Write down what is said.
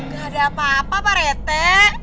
gak ada apa apa parete